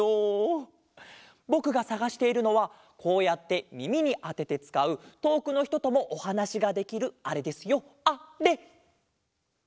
ぼくがさがしているのはこうやってみみにあててつかうとおくのひとともおはなしができるあれですよあれ！